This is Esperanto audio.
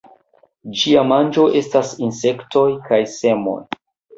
Ĝia manĝo estas insektoj kaj semoj.